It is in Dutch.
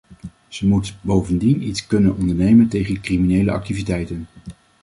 Ze moet bovendien iets kunnen ondernemen tegen criminele activiteiten.